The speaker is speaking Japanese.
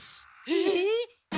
えっ？